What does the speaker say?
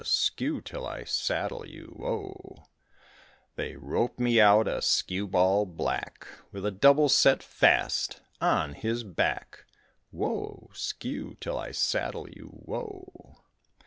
skew, till I saddle you, whoa! They roped me out a skew ball black With a double set fast on his back, Whoa! skew, till I saddle you, whoa!